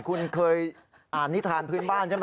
คุณเคยอ่านนิทานพื้นบ้านใช่ไหม